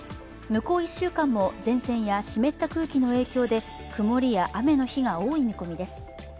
向こう１週間も前線や湿った空気の影響で曇りや雨の日が多い見込みです。